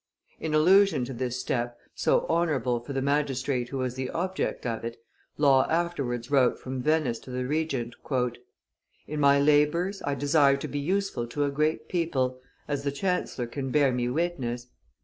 In allusion to this step, so honorable for the magistrate who was the object of it, Law afterwards wrote from Venice to the Regent, "In my labors I desired to be useful to a great people, as the chancellor can bear me witness.